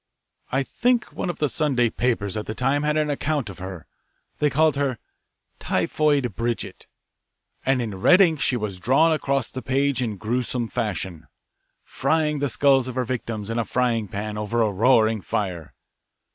I think one of the Sunday papers at the time had an account of her they called her 'Typhoid Bridget,' and in red ink she was drawn across the page in gruesome fashion, frying the skulls of her victims in a frying pan over a roaring fire.